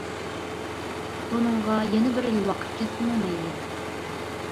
بۇنىڭغا يەنە بىر يىل ۋاقىت كەتسىمۇ مەيلى.